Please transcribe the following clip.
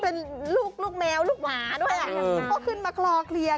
โอ้จูเนีย